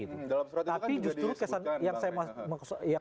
tapi justru kesan yang saya maksudkan